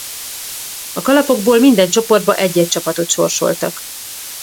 A kalapokból minden csoportba egy-egy csapatot sorsoltak.